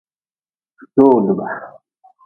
Jowdba.